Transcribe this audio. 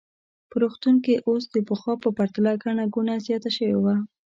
په روغتون کې اوس د پخوا په پرتله ګڼه ګوڼه زیاته شوې وه.